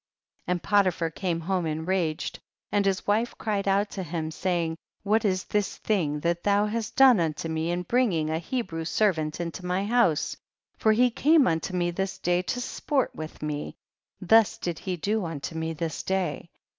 And Polipliar came home en raged, and his wife cried out to liim, saying, wliat is this thing thai lliou hast done unto me in bringing a He brew servant into my house, for he came unto me this day to sport with ine ; thus did he do unto me this day.